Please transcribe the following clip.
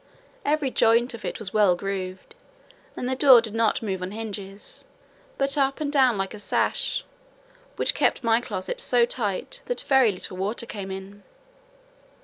Every joint of it was well grooved; and the door did not move on hinges, but up and down like a sash, which kept my closet so tight that very little water came in.